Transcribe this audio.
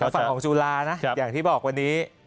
ฝั่งของจุฬานะอย่างที่บอกวันนี้